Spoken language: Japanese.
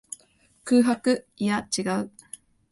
空白。いや、違う。